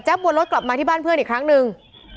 วนรถกลับมาที่บ้านเพื่อนอีกครั้งหนึ่ง